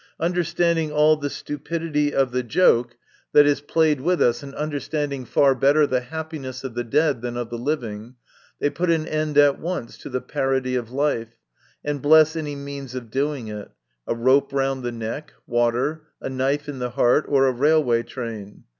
Understanding all the stupidity of the joke 70 MY CONFESSION. that is played with us, and understanding far better the happiness of the dead than of the living, they put an end at once to the parody of life, and bless any means of doing it a rope round the neck, water, a knife in the heart, or a railway train.